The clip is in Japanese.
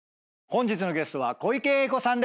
本日のゲストは小池栄子さん